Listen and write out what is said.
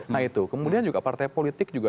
nah itu kemudian juga partai politik juga